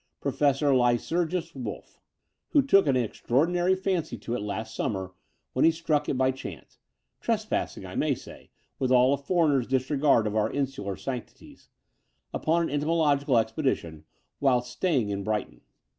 Pro fessor Lycurgus Wolff, who took an extraordinary fancy to it last summer when he struck it by chance — trespassing, I may say, with all a foreigner's disregard of our insular sanctities — upon afa ento mological expedition, whilst staying in Brighton.